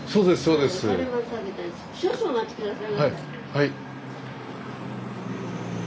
はい。